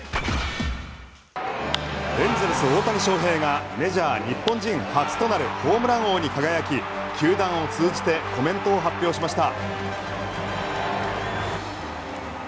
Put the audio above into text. エンゼルス、大谷翔平がメジャー日本人初となるホームラン王に輝き球団を通じてコメントを発表しました。